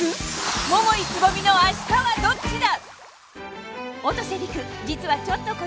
桃井蕾未の明日はどっちだ